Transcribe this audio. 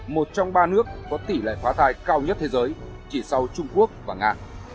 một trong ba nước có tỷ lệ phá thai cao nhất thế giới chỉ sau trung quốc và nga